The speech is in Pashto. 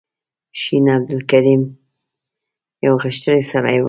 شین عبدالکریم یو غښتلی سړی و.